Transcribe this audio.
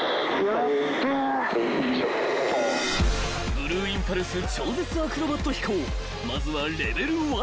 ［ブルーインパルス超絶アクロバット飛行まずはレベル１］